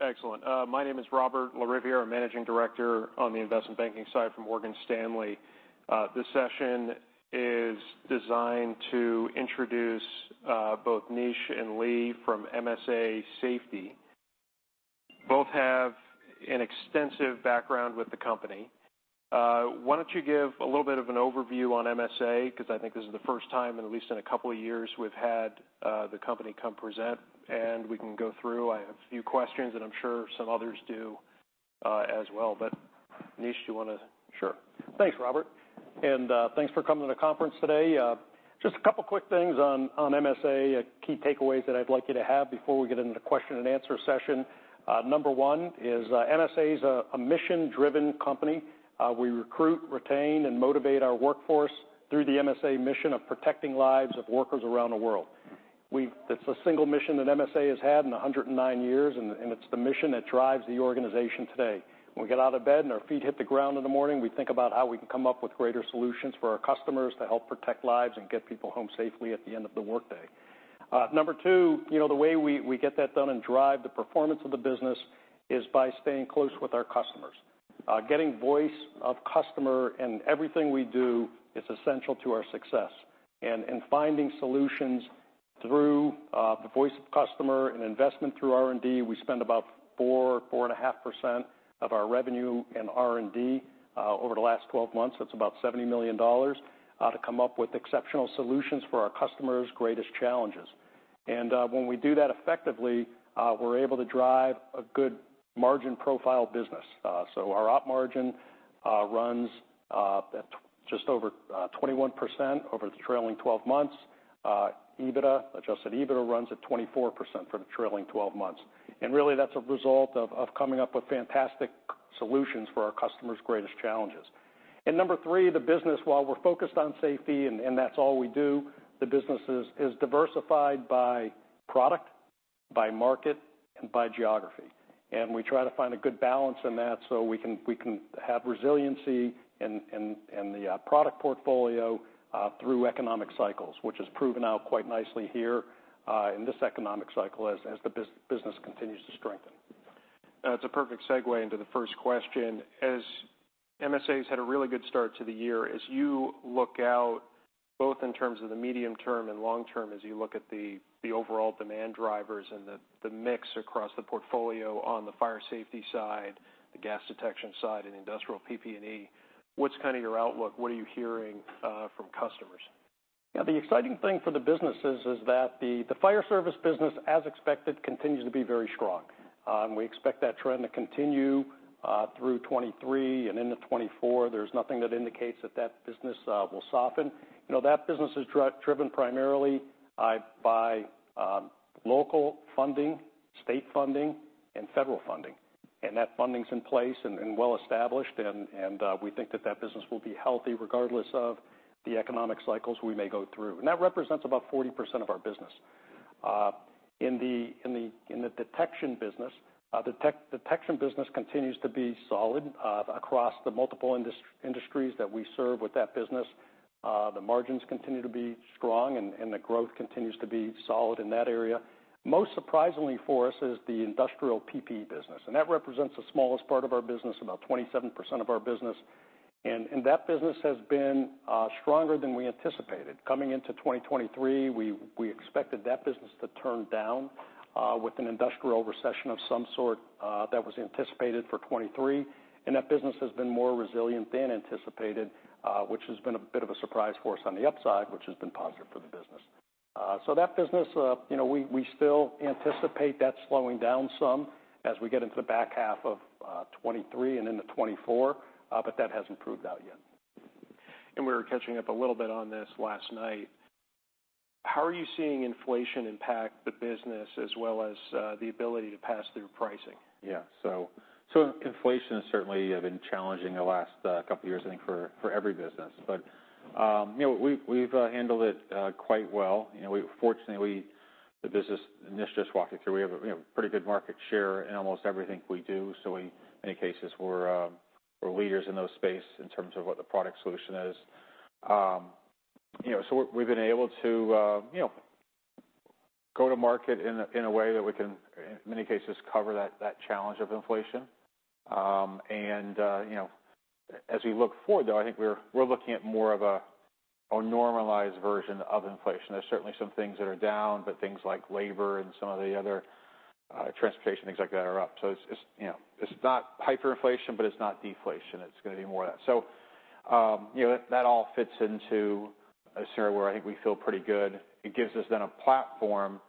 Excellent. My name is Robert Lariviere, a Managing Director on the investment banking side from Morgan Stanley. This session is designed to introduce both Nish and Lee from MSA Safety. Both have an extensive background with the company. Why don't you give a little bit of an overview on MSA? Because I think this is the first time in at least a couple of years we've had the company come present, and we can go through. I have a few questions, and I'm sure some others do as well. But Nish, do you want to? Sure. Thanks, Robert, and, thanks for coming to the conference today. Just a couple of quick things on, on MSA. Key takeaways that I'd like you to have before we get into the question and answer session. Number one is, MSA is a, a mission-driven company. We recruit, retain, and motivate our workforce through the MSA mission of protecting lives of workers around the world. It's a single mission that MSA has had in 109 years, and, it's the mission that drives the organization today. When we get out of bed and our feet hit the ground in the morning, we think about how we can come up with greater solutions for our customers to help protect lives and get people home safely at the end of the workday. Number two, you know, the way we get that done and drive the performance of the business is by staying close with our customers. Getting voice of customer in everything we do is essential to our success. And finding solutions through the voice of customer and investment through R&D, we spend about 4%-4.5% of our revenue in R&D over the last 12 months. That's about $70 million to come up with exceptional solutions for our customers' greatest challenges. When we do that effectively, we're able to drive a good margin profile business. So our op margin runs at just over 21% over the trailing 12 months. EBITDA, adjusted EBITDA runs at 24% for the trailing 12 months. Really, that's a result of coming up with fantastic solutions for our customers' greatest challenges. And number three, the business, while we're focused on safety, and that's all we do, the business is diversified by product, by market, and by geography. And we try to find a good balance in that so we can have resiliency in the product portfolio through economic cycles, which has proven out quite nicely here in this economic cycle as the business continues to strengthen. That's a perfect segue into the first question. As MSA has had a really good start to the year, as you look out, both in terms of the medium term and long term, as you look at the overall demand drivers and the mix across the portfolio on the fire safety side, the gas detection side, and industrial PPE, what's kind of your outlook? What are you hearing from customers? Yeah, the exciting thing for the businesses is that the Fire Service business, as expected, continues to be very strong. And we expect that trend to continue through 2023 and into 2024. There's nothing that indicates that that business will soften. You know, that business is driven primarily by local funding, state funding, and federal funding. And that funding is in place and well established, and we think that that business will be healthy regardless of the economic cycles we may go through. And that represents about 40% of our business. In the Detection business, Detection business continues to be solid across the multiple industries that we serve with that business. The margins continue to be strong and the growth continues to be solid in that area. Most surprisingly for us is the industrial PPE business, and that represents the smallest part of our business, about 27% of our business. And that business has been stronger than we anticipated. Coming into 2023, we expected that business to turn down with an industrial recession of some sort that was anticipated for 2023, and that business has been more resilient than anticipated, which has been a bit of a surprise for us on the upside, which has been positive for the business. So that business, you know, we still anticipate that slowing down some as we get into the back half of 2023 and into 2024, but that hasn't proved out yet. We were catching up a little bit on this last night. How are you seeing inflation impact the business as well as the ability to pass through pricing? Yeah. So, so inflation has certainly been challenging the last couple of years, I think, for, for every business. But, you know, we've, we've handled it quite well. You know, we fortunately, the business niche just walked it through. We have a, you know, pretty good market share in almost everything we do. So in many cases, we're, we're leaders in those space in terms of what the product solution is. You know, so we've been able to, you know, go to market in a, in a way that we can, in many cases, cover that, that challenge of inflation. And, you know, as we look forward, though, I think we're, we're looking at more of a, a normalized version of inflation. There's certainly some things that are down, but things like labor and some of the other, transportation, things like that are up. So it's, it's, you know, it's not hyperinflation, but it's not deflation. It's gonna be more of that. So, you know, that all fits into a scenario where I think we feel pretty good. It gives us then a platform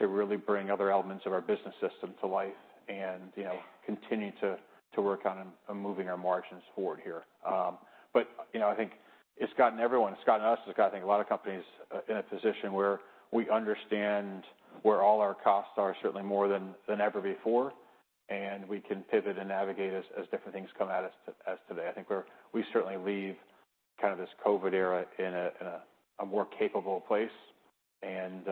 to really bring other elements of our business system to life and, you know, continue to, to work on, on moving our margins forward here. But, you know, I think it's gotten everyone, it's gotten us, it's gotten I think a lot of companies in a position where we understand where all our costs are, certainly more than, than ever before, and we can pivot and navigate as, as different things come at us, as today. I think we certainly leave kind of this COVID era in a more capable place, and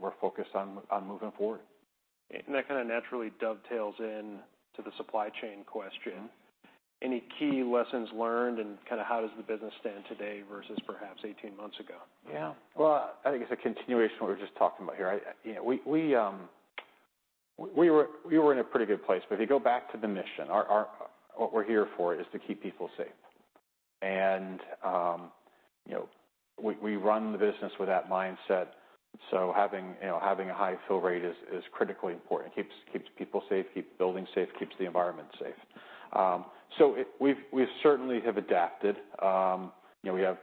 we're focused on moving forward. That kind of naturally dovetails into the supply chain question... any key lessons learned and kind of how does the business stand today versus perhaps 18 months ago? Yeah. Well, I think it's a continuation of what we're just talking about here. I, you know, we were in a pretty good place. But if you go back to the mission, our what we're here for is to keep people safe. And, you know, we run the business with that mindset, so having, you know, having a high fill rate is critically important. It keeps people safe, keeps buildings safe, keeps the environment safe. So we've certainly adapted. You know, we have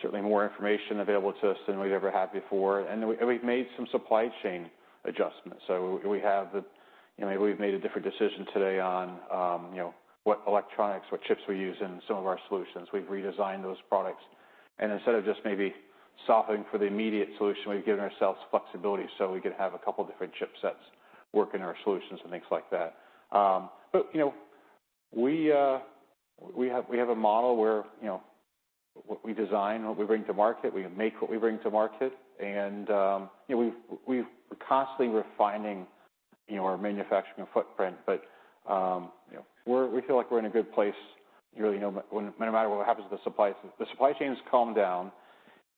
certainly more information available to us than we've ever had before, and we've made some supply chain adjustments. So we have, you know, maybe we've made a different decision today on, you know, what electronics, what chips we use in some of our solutions. We've redesigned those products, and instead of just maybe solving for the immediate solution, we've given ourselves flexibility so we could have a couple different chipsets work in our solutions and things like that. But, you know, we, we have a model where, you know, what we design, what we bring to market, we make what we bring to market. And, you know, we've, we've constantly refining, you know, our manufacturing footprint, but, you know, we're- we feel like we're in a good place. You know, no matter what happens to the supply, the supply chain has calmed down.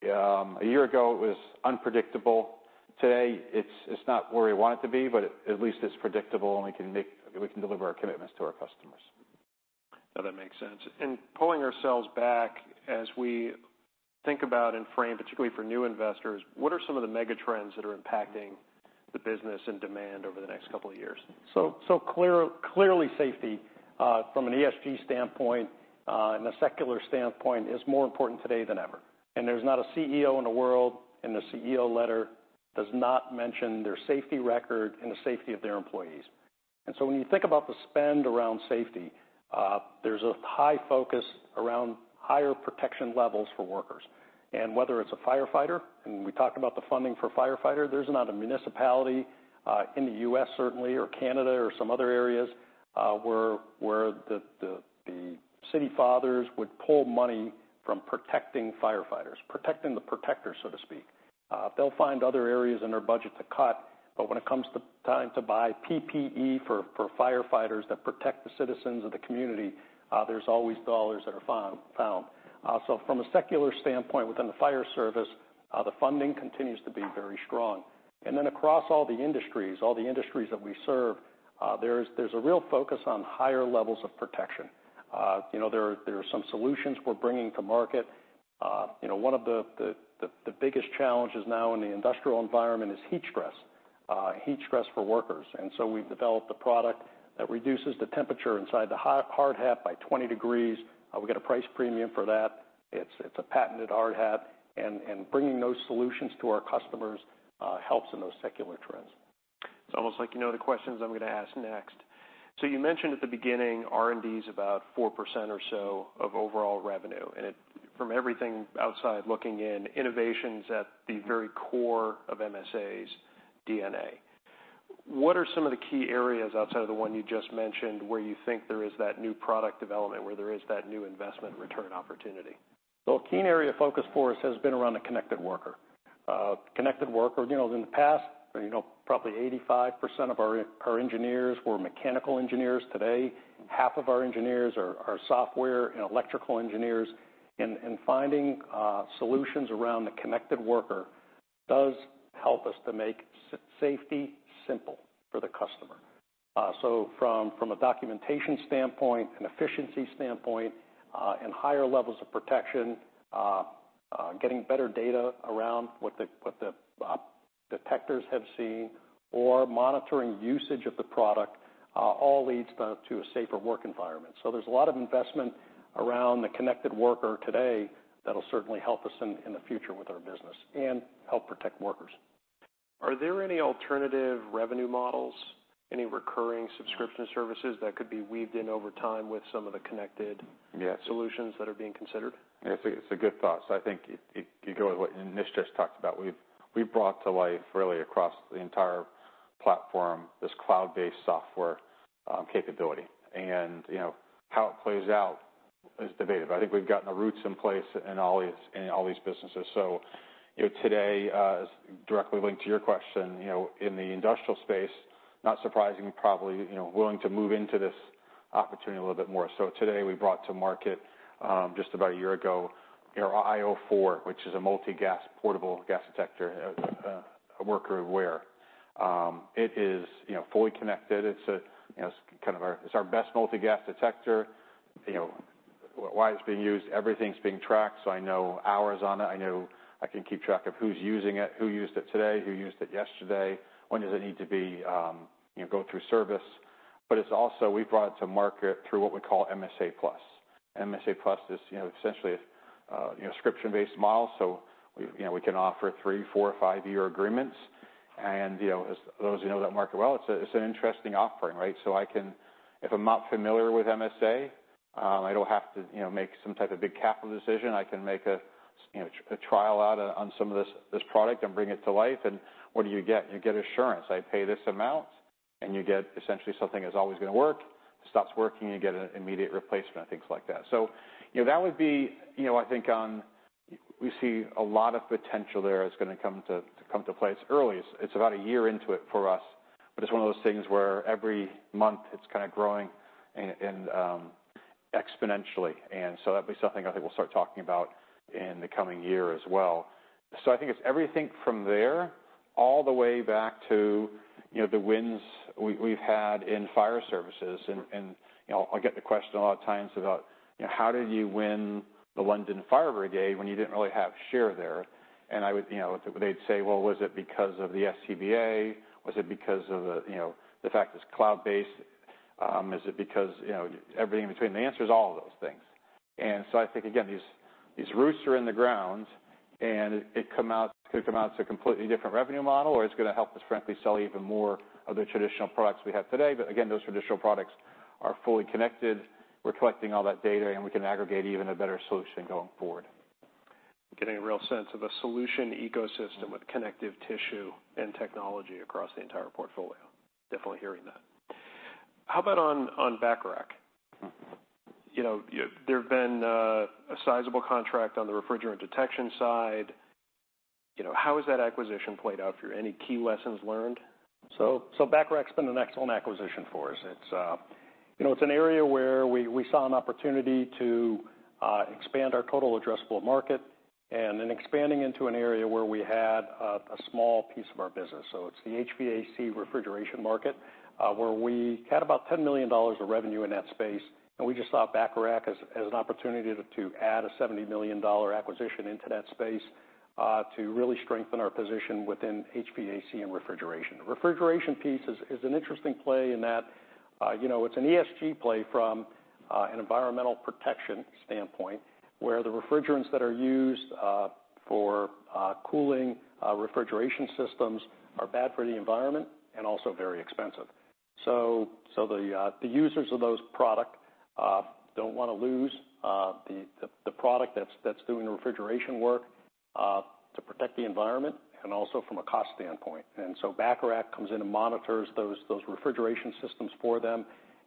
A year ago, it was unpredictable. Today, it's, it's not where we want it to be, but at least it's predictable, and we can make- we can deliver our commitments to our customers. Now, that makes sense. Pulling ourselves back as we think about and frame, particularly for new investors, what are some of the mega trends that are impacting the business and demand over the next couple of years? Clearly, safety from an ESG standpoint and a secular standpoint is more important today than ever. And there's not a CEO in the world, in the CEO letter, does not mention their safety record and the safety of their employees. And so when you think about the spend around safety, there's a high focus around higher protection levels for workers. And whether it's a firefighter, and we talked about the funding for firefighter, there's not a municipality in the U.S. certainly, or Canada, or some other areas, where the city fathers would pull money from protecting firefighters, protecting the protectors, so to speak. They'll find other areas in their budget to cut. But when it comes to time to buy PPE for firefighters that protect the citizens of the community, there's always dollars that are found. So from a secular standpoint, within the Fire Service, the funding continues to be very strong. And then across all the industries that we serve, there's a real focus on higher levels of protection. You know, there are some solutions we're bringing to market. You know, one of the biggest challenges now in the industrial environment is heat stress. Heat stress for workers. And so we've developed a product that reduces the temperature inside the hard hat by 20 degrees. We get a price premium for that. It's a patented hard hat, and bringing those solutions to our customers helps in those secular trends. It's almost like you know the questions I'm gonna ask next. So you mentioned at the beginning, R&D is about 4% or so of overall revenue, and from everything outside looking in, innovation's at the very core of MSA's DNA. What are some of the key areas outside of the one you just mentioned, where you think there is that new product development, where there is that new investment return opportunity? So a key area of focus for us has been around the Connected Worker. Connected Worker, you know, in the past, you know, probably 85% of our engineers were mechanical engineers. Today, half of our engineers are software and electrical engineers. And finding solutions around the Connected Worker does help us to make safety simple for the customer. So from a documentation standpoint and efficiency standpoint, and higher levels of protection, getting better data around what the detectors have seen or monitoring usage of the product, all leads to a safer work environment. So there's a lot of investment around the Connected Worker today that'll certainly help us in the future with our business and help protect workers. Are there any alternative revenue models, any recurring subscription services that could be weaved in over time with some of the connected- Yeah.... solutions that are being considered? It's a good thought. So I think if you go with what Nish just talked about, we've brought to life really across the entire platform, this cloud-based software capability. And, you know, how it plays out is debated, but I think we've gotten the roots in place in all these, in all these businesses. So, you know, today, directly linked to your question, you know, in the industrial space, not surprising, probably, you know, willing to move into this opportunity a little bit more. So today, we brought to market, just about a year ago, our io4, which is a multi-gas, portable gas detector, a worker wear. It is, you know, fully connected. It's a, you know, it's kind of our- It's our best multi-gas detector. You know, why it's being used, everything's being tracked, so I know hours on it. I know I can keep track of who's using it, who used it today, who used it yesterday, when does it need to be, you know, go through service. But it's also, we've brought it to market through what we call MSA+. MSA+ is, you know, essentially a subscription-based model. So, you know, we can offer three-, four- or five-year agreements. And, you know, as those of you who know that market well, it's a, it's an interesting offering, right? So I can—If I'm not familiar with MSA, I don't have to, you know, make some type of big capital decision. I can make a, you know, a trial out on some of this, this product and bring it to life. And what do you get? You get assurance. I pay this amount, and you get essentially something that's always gonna work. If it stops working, you get an immediate replacement, and things like that. So, you know, that would be, you know, I think... We see a lot of potential there that's gonna come to play. It's early. It's about a year into it for us, but it's one of those things where every month it's kind of growing exponentially. And so that'll be something I think we'll start talking about in the coming year as well. So I think it's everything from there, all the way back to, you know, the wins we've had in Fire Services. You know, I'll get the question a lot of times about: You know, "How did you win the London Fire Brigade when you didn't really have share there?" And I would, you know, they'd say, "Well, was it because of the SCBA? Was it because of the, you know, the fact it's cloud-based? Is it because, you know, everything in between?" The answer is all of those things. And so I think, again, these, these roots are in the ground, and it could come out to a completely different revenue model, or it's gonna help us frankly sell even more of the traditional products we have today. But again, those traditional products are fully connected. We're collecting all that data, and we can aggregate even a better solution going forward. Getting a real sense of a solution ecosystem with connective tissue and technology across the entire portfolio. Definitely hearing that. How about on, on Bacharach? Mm-hmm. You know, there have been a sizable contract on the refrigerant detection side. You know, how has that acquisition played out for you? Any key lessons learned? So Bacharach's been an excellent acquisition for us. It's, you know, it's an area where we saw an opportunity to expand our total addressable market, and then expanding into an area where we had a small piece of our business. So it's the HVAC refrigeration market, where we had about $10 million of revenue in that space, and we just saw Bacharach as an opportunity to add a $70 million acquisition into that space, to really strengthen our position within HVAC and refrigeration. The refrigeration piece is an interesting play in that, you know, it's an ESG play from an environmental protection standpoint, where the refrigerants that are used for cooling refrigeration systems are bad for the environment and also very expensive. So, the users of those product don't wanna lose the product that's doing the refrigeration work to protect the environment and also from a cost standpoint. So Bacharach comes in and monitors those refrigeration systems for them,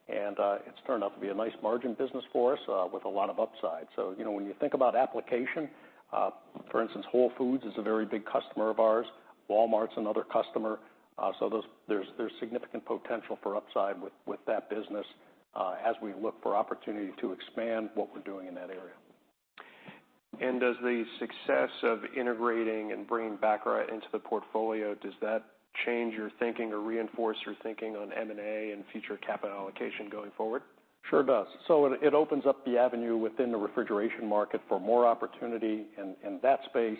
and it's turned out to be a nice margin business for us with a lot of upside. So, you know, when you think about application for instance, Whole Foods is a very big customer of ours. Walmart's another customer. So those, there's significant potential for upside with that business as we look for opportunity to expand what we're doing in that area. Does the success of integrating and bringing Bacharach into the portfolio, does that change your thinking or reinforce your thinking on M&A and future capital allocation going forward? Sure does. So it opens up the avenue within the refrigeration market for more opportunity in that space,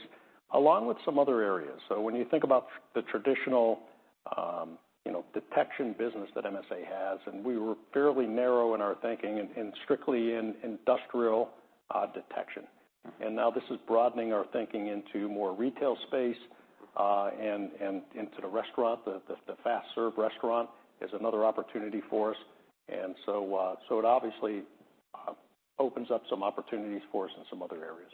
along with some other areas. So when you think about the traditional, you know, Detection business that MSA has, and we were fairly narrow in our thinking and strictly in industrial detection. And now this is broadening our thinking into more retail space, and into the restaurant. The fast-serve restaurant is another opportunity for us. And so it obviously opens up some opportunities for us in some other areas.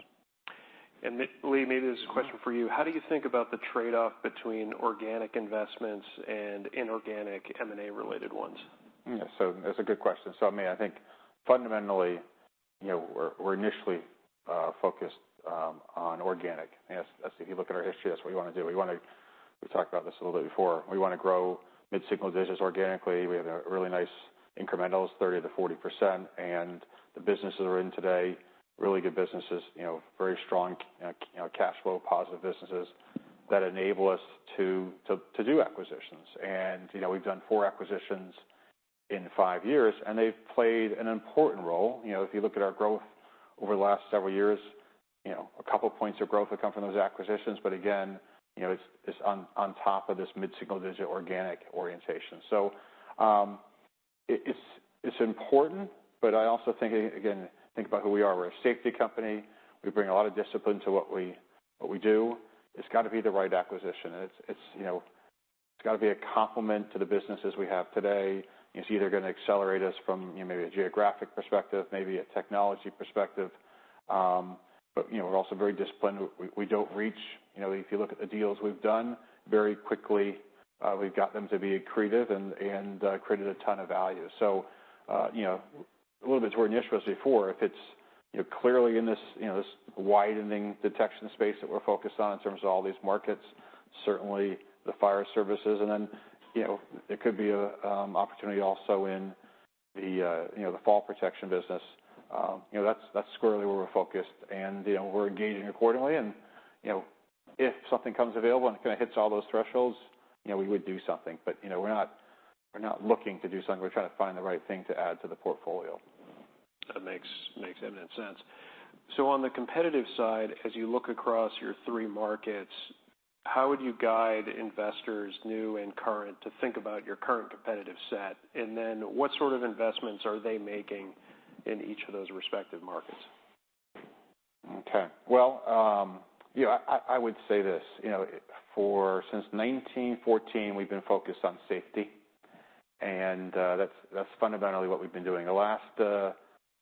Lee, maybe this is a question for you. How do you think about the trade-off between organic investments and inorganic M&A-related ones? Yeah. So that's a good question. So, I mean, I think fundamentally, you know, we're initially focused on organic. And as if you look at our history, that's what we wanna do. We wanna, we talked about this a little bit before. We wanna grow mid-single digits organically. We have a really nice incrementals, 30%-40%, and the businesses we're in today, really good businesses, you know, very strong, you know, cash flow positive businesses that enable us to do acquisitions. And, you know, we've done four acquisitions in five years, and they've played an important role. You know, if you look at our growth over the last several years, you know, a couple points of growth have come from those acquisitions, but again, you know, it's on top of this mid-single digit organic orientation. So, it's important, but I also think, again, think about who we are. We're a safety company. We bring a lot of discipline to what we do. It's got to be the right acquisition. You know, it's got to be a complement to the businesses we have today. It's either gonna accelerate us from, you know, maybe a geographic perspective, maybe a technology perspective, but, you know, we're also very disciplined. We don't reach. You know, if you look at the deals we've done, very quickly, we've got them to be accretive and created a ton of value. So, you know, a little bit to where Nish was before, if it's, you know, clearly in this, you know, this widening detection space that we're focused on in terms of all these markets, certainly the Fire Services, and then, you know, there could be a opportunity also in the, you know, the fall protection business. You know, that's, that's squarely where we're focused, and, you know, we're engaging accordingly and, you know, if something comes available, and it kinda hits all those thresholds, you know, we would do something. But, you know, we're not, we're not looking to do something. We're trying to find the right thing to add to the portfolio. That makes eminent sense. So on the competitive side, as you look across your three markets, how would you guide investors, new and current, to think about your current competitive set? And then, what sort of investments are they making in each of those respective markets? Okay. Well, you know, I would say this, you know, since 1914, we've been focused on safety, and that's fundamentally what we've been doing. You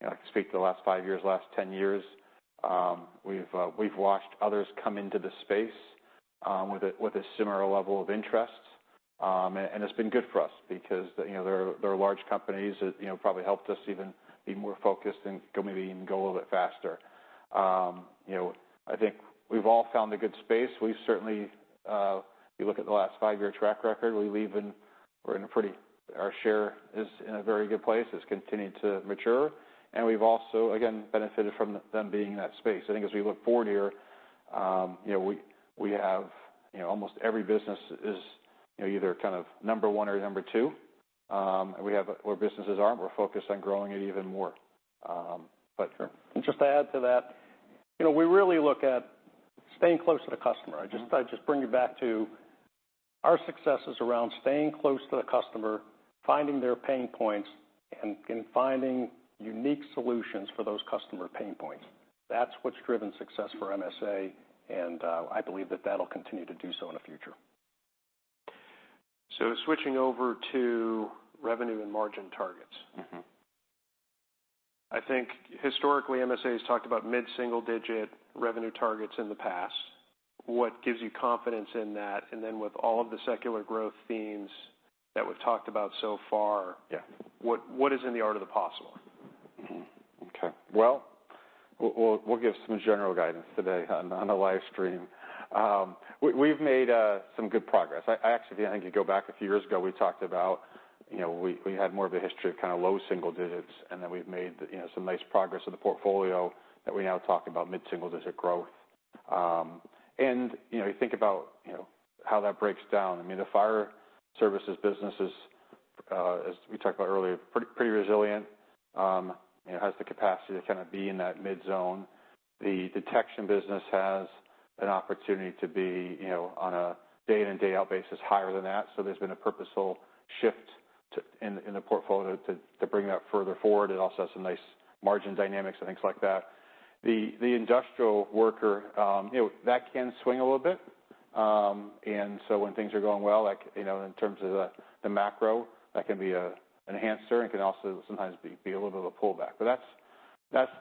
know, I can speak to the last five years, last 10 years, we've watched others come into the space with a similar level of interest. And it's been good for us because, you know, they're large companies that, you know, probably helped us even be more focused and maybe even go a little bit faster. You know, I think we've all found a good space. We've certainly, if you look at the last five-year track record, we're in a pretty good place. Our share is in a very good place. It's continued to mature, and we've also, again, benefited from them being in that space. I think as we look forward here, you know, we have, you know, almost every business is, you know, either kind of number one or number two. And we have where businesses aren't, we're focused on growing it even more. But- Just to add to that, you know, we really look at staying close to the customer. Mm-hmm. I just bring it back to our success is around staying close to the customer, finding their pain points, and finding unique solutions for those customer pain points. That's what's driven success for MSA, and I believe that that'll continue to do so in the future. Switching over to revenue and margin targets. Mm-hmm. I think historically, MSA has talked about mid-single digit revenue targets in the past. What gives you confidence in that? And then with all of the secular growth themes that we've talked about so far- Yeah.... what, what is in the art of the possible? Mm-hmm. Okay. Well, we'll give some general guidance today on the live stream. We've made some good progress. I actually think if you go back a few years ago, we talked about, you know, we had more of a history of kind of low single digits, and then we've made, you know, some nice progress with the portfolio that we now talk about mid-single digit growth. And, you know, you think about, you know, how that breaks down. I mean, the Fire Services business is, as we talked about earlier, pretty resilient, and has the capacity to kind of be in that midzone. The Detection business has an opportunity to be, you know, on a day in and day out basis, higher than that. So there's been a purposeful shift to, in the portfolio to bring that further forward. It also has some nice margin dynamics and things like that. The industrial worker, you know, that can swing a little bit. And so when things are going well, like, you know, in terms of the macro, that can be an enhancer and can also sometimes be a little bit of a pullback. But that's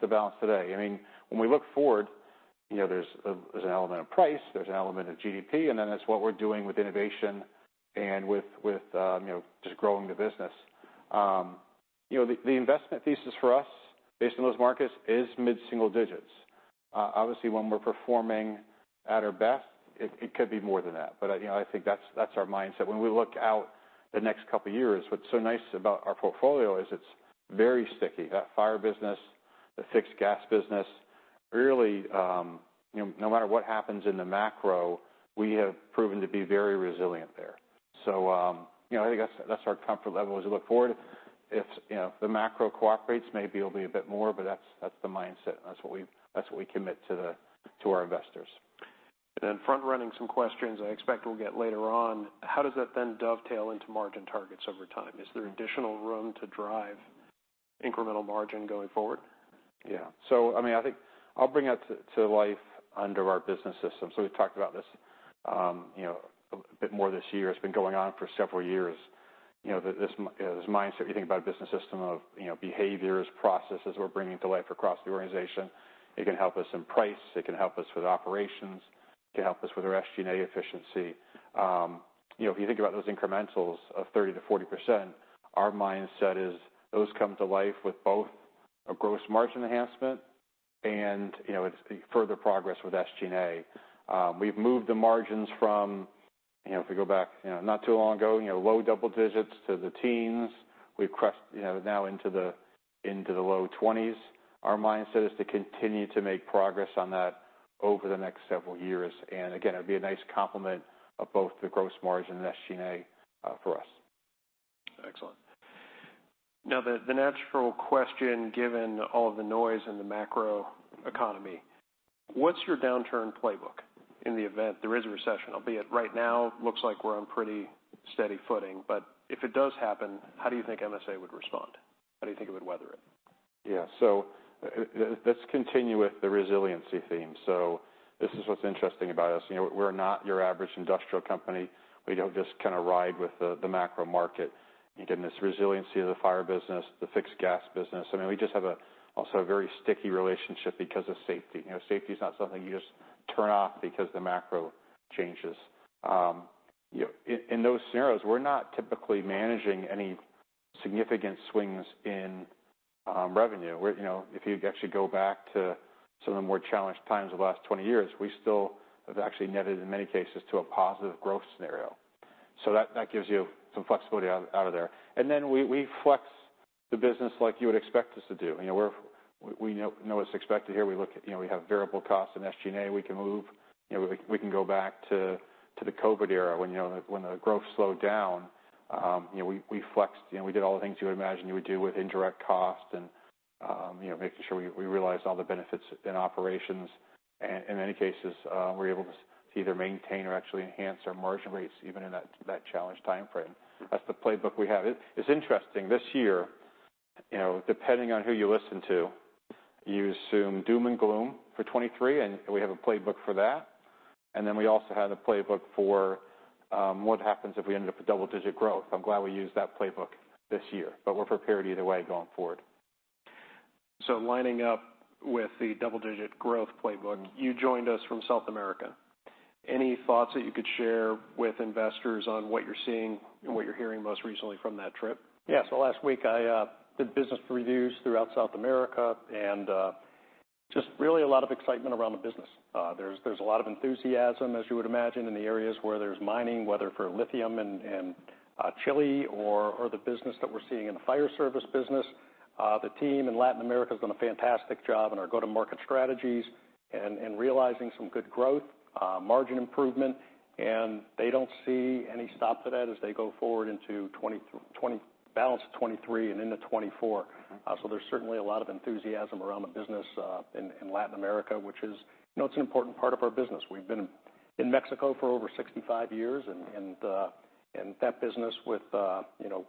the balance today. I mean, when we look forward, you know, there's an element of price, there's an element of GDP, and then it's what we're doing with innovation and with, you know, just growing the business. You know, the investment thesis for us, based on those markets, is mid-single digits. Obviously, when we're performing at our best, it, it could be more than that. But, you know, I think that's, that's our mindset. When we look out the next couple of years, what's so nice about our portfolio is it's very sticky. That fire business, the fixed gas business, really, you know, no matter what happens in the macro, we have proven to be very resilient there. So, you know, I think that's, that's our comfort level as we look forward. If, you know, the macro cooperates, maybe it'll be a bit more, but that's, that's the mindset, and that's what we, that's what we commit to the, to our investors. Then front-running some questions I expect we'll get later on: How does that then dovetail into margin targets over time? Is there additional room to drive incremental margin going forward? Yeah. So I mean, I think I'll bring that to life under our business system. So we've talked about this, you know, a bit more this year. It's been going on for several years. You know, this mindset, you think about a business system of, you know, behaviors, processes we're bringing to life across the organization. It can help us in price, it can help us with operations, it can help us with our SG&A efficiency. You know, if you think about those incrementals of 30%-40%, our mindset is those come to life with both a gross margin enhancement and, you know, it's further progress with SG&A. We've moved the margins from, you know, if we go back, you know, not too long ago, you know, low double digits to the teens. We've crested, you know, now into the low twenties. Our mindset is to continue to make progress on that over the next several years, and again, it'd be a nice complement of both the gross margin and SG&A for us. Excellent. Now, the natural question, given all of the noise in the macro economy, what's your downturn playbook in the event there is a recession? Albeit, right now, looks like we're on pretty steady footing, but if it does happen, how do you think MSA would respond? How do you think it would weather it? Yeah. So let's continue with the resiliency theme. So this is what's interesting about us. You know, we're not your average industrial company. We don't just kind of ride with the macro market. You're getting this resiliency of the fire business, the fixed gas business. I mean, we just have also a very sticky relationship because of safety. You know, safety is not something you just turn off because the macro changes. You know, in those scenarios, we're not typically managing any significant swings in revenue. We're, you know, if you actually go back to some of the more challenged times of the last 20 years, we still have actually netted, in many cases, to a positive growth scenario. So that gives you some flexibility out of there. And then we flex the business like you would expect us to do. You know, we know what's expected here. We look at, you know, we have variable costs and SG&A, we can move. You know, we can go back to the COVID era, when, you know, when the growth slowed down, you know, we flexed. You know, we did all the things you would imagine you would do with indirect costs and, you know, making sure we realized all the benefits in operations. And in many cases, we were able to either maintain or actually enhance our margin rates even in that challenged timeframe. That's the playbook we have. It's interesting, this year, you know, depending on who you listen to, you assume doom and gloom for 2023, and we have a playbook for that. Then we also had a playbook for what happens if we ended up with double-digit growth. I'm glad we used that playbook this year, but we're prepared either way going forward. Lining up with the double-digit growth playbook, you joined us from South America. Any thoughts that you could share with investors on what you're seeing and what you're hearing most recently from that trip? Yes. So last week I did business reviews throughout South America, and just really a lot of excitement around the business. There's a lot of enthusiasm, as you would imagine, in the areas where there's mining, whether for lithium in Chile or the business that we're seeing in the Fire Service business. The team in Latin America has done a fantastic job in our go-to-market strategies and realizing some good growth, margin improvement. And they don't see any stop to that as they go forward into the balance of 2023 and into 2024. So there's certainly a lot of enthusiasm around the business in Latin America, which is, you know, it's an important part of our business. We've been in Mexico for over 65 years, and that business with you know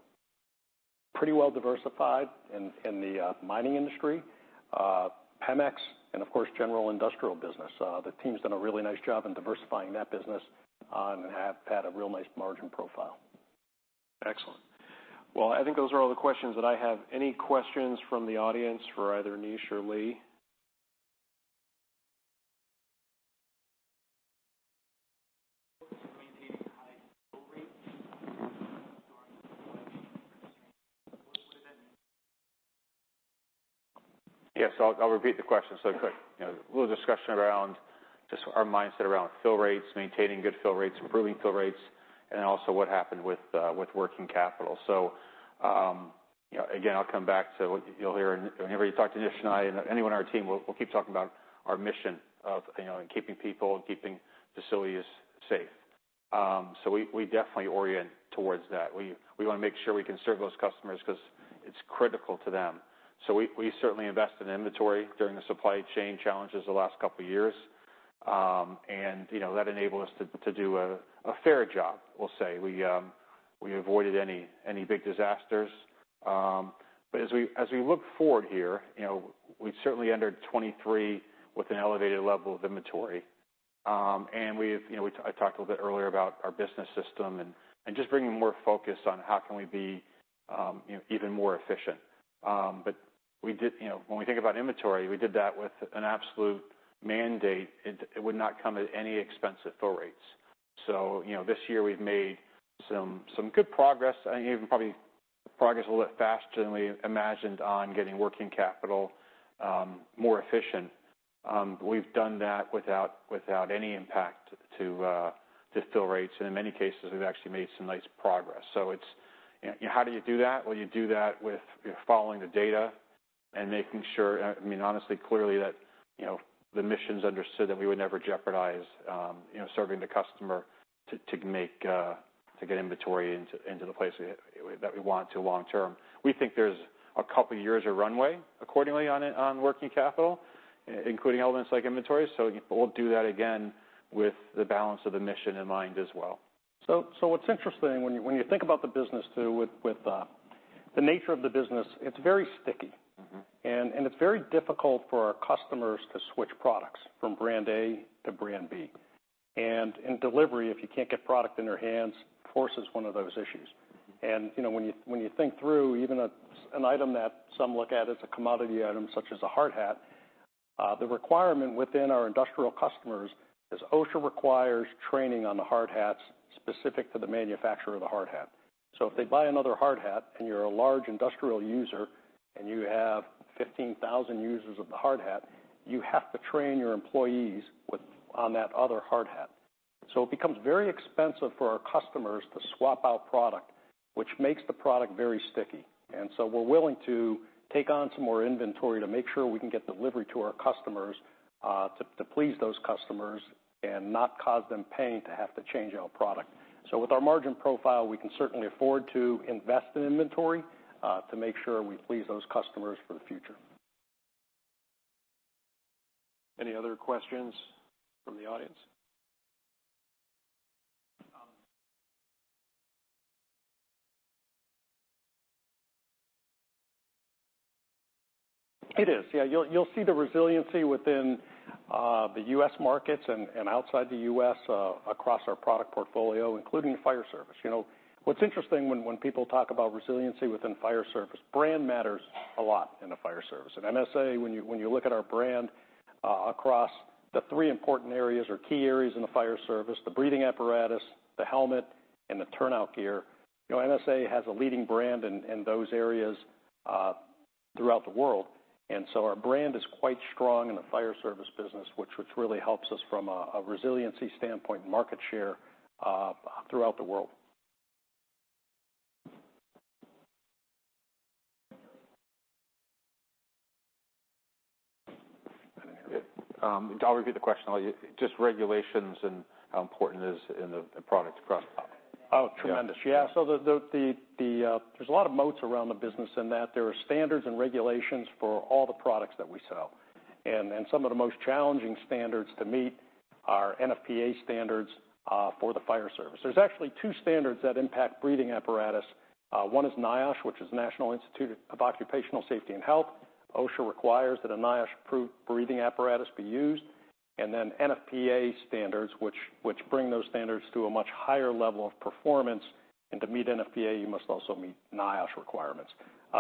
pretty well diversified in the mining industry, PEMEX and of course, general industrial business. The team's done a really nice job in diversifying that business, and have had a real nice margin profile. Excellent. Well, I think those are all the questions that I have. Any questions from the audience for either Nish or Lee? maintaining high fill rates? Yes, I'll repeat the question so quick. You know, a little discussion around just our mindset around fill rates, maintaining good fill rates, improving fill rates, and then also what happened with working capital. So, you know, again, I'll come back to what you'll hear whenever you talk to Nish and I and anyone on our team, we'll keep talking about our mission of, you know, keeping people and keeping facilities safe. So we definitely orient towards that. We want to make sure we can serve those customers because it's critical to them. So we certainly invest in inventory during the supply chain challenges the last couple of years. And, you know, that enabled us to do a fair job. We'll say we avoided any big disasters. But as we look forward here, you know, we certainly entered 2023 with an elevated level of inventory. And we've, you know, I talked a little bit earlier about our business system and just bringing more focus on how can we be, you know, even more efficient. But we did, you know, when we think about inventory, we did that with an absolute mandate. It would not come at any expense at fill rates. So, you know, this year we've made some good progress and even probably progress a little bit faster than we imagined on getting working capital more efficient. We've done that without any impact to fill rates. And in many cases, we've actually made some nice progress. So it's, you know, how do you do that? Well, you do that with following the data and making sure, I mean, honestly, clearly, that you know the mission's understood, that we would never jeopardize, you know, serving the customer to make to get inventory into the place that we want to long term. We think there's a couple of years of runway accordingly on working capital, including elements like inventory. So we'll do that again with the balance of the mission in mind as well. So, what's interesting, when you think about the business too, with the nature of the business, it's very sticky. Mm-hmm. It's very difficult for our customers to switch products from brand A to brand B. In delivery, if you can't get product in their hands, force is one of those issues. You know, when you think through even an item that some look at as a commodity item, such as a hard hat, the requirement within our industrial customers is OSHA requires training on the hard hats specific to the manufacturer of the hard hat. So if they buy another hard hat and you're a large industrial user and you have 15,000 users of the hard hat, you have to train your employees on that other hard hat. So it becomes very expensive for our customers to swap out product, which makes the product very sticky. And so we're willing to take on some more inventory to make sure we can get delivery to our customers, to please those customers and not cause them pain to have to change out product. So with our margin profile, we can certainly afford to invest in inventory, to make sure we please those customers for the future. Any other questions from the audience? It is, yeah. You'll, you'll see the resiliency within the U.S. markets and outside the U.S. across our product portfolio, including Fire Service. You know what's interesting when, when people talk about resiliency within Fire Service, brand matters a lot in the Fire Service. At MSA, when you, when you look at our brand across the three important areas or key areas in the Fire Service, the breathing apparatus, the helmet, and the turnout gear, you know, MSA has a leading brand in those areas throughout the world. And so our brand is quite strong in the Fire Service business, which really helps us from a resiliency standpoint and market share throughout the world. I'll repeat the question. Just regulations and how important is in the products across the... Oh, tremendous. Yeah. So the there's a lot of moats around the business in that there are standards and regulations for all the products that we sell. And some of the most challenging standards to meet are NFPA standards for the Fire Service. There's actually two standards that impact breathing apparatus. One is NIOSH, which is National Institute of Occupational Safety and Health. OSHA requires that a NIOSH-approved breathing apparatus be used. And then NFPA standards, which bring those standards to a much higher level of performance. And to meet NFPA, you must also meet NIOSH requirements.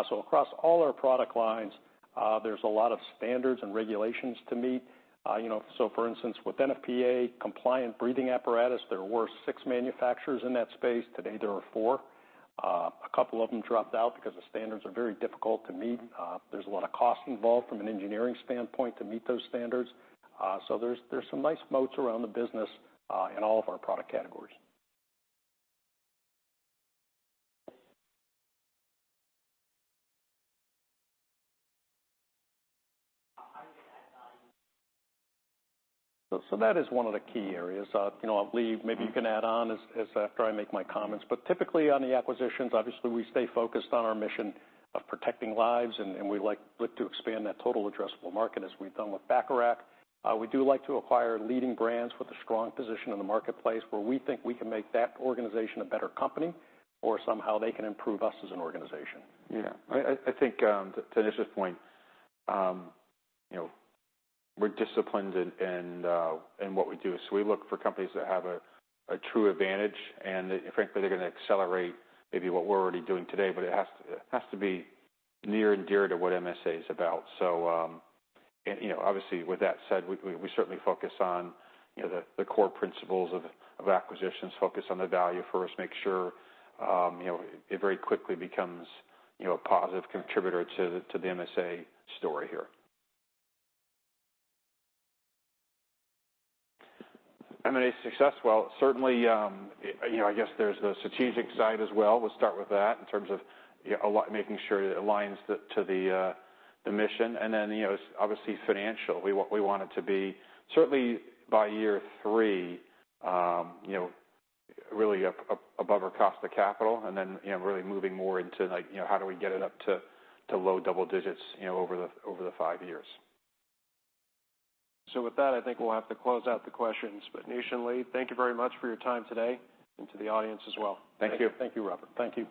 So across all our product lines, there's a lot of standards and regulations to meet. You know, so for instance, with NFPA compliant breathing apparatus, there were six manufacturers in that space. Today, there are four. A couple of them dropped out because the standards are very difficult to meet. There's a lot of cost involved from an engineering standpoint to meet those standards. So there's some nice moats around the business, in all of our product categories. So that is one of the key areas. You know, I'll leave, maybe you can add on as after I make my comments. But typically, on the acquisitions, obviously, we stay focused on our mission of protecting lives, and we like to expand that total addressable market as we've done with Bacharach. We do like to acquire leading brands with a strong position in the marketplace, where we think we can make that organization a better company, or somehow they can improve us as an organization. Yeah. I think to this point, you know, we're disciplined in what we do. So we look for companies that have a true advantage, and that frankly, they're gonna accelerate maybe what we're already doing today, but it has to be near and dear to what MSA is about. So, and, you know, obviously, with that said, we certainly focus on, you know, the core principles of acquisitions, focus on the value for us. Make sure, you know, it very quickly becomes, you know, a positive contributor to the MSA story here. M&A success? Well, certainly, you know, I guess there's the strategic side as well. We'll start with that in terms of, you know, a lot, making sure it aligns the, to the, the mission, and then, you know, it's obviously financial. We want, we want it to be certainly by year three, you know, really up, up above our cost of capital, and then, you know, really moving more into, like, you know, how do we get it up to, to low double digits, you know, over the, over the five years. With that, I think we'll have to close out the questions. Nish and Lee, thank you very much for your time today, and to the audience as well. Thank you. Thank you, Robert. Thank you.